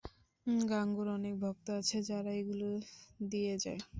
গাঙুর অনেক ভক্ত আছে যারা এগুলো দিয়ে যায়।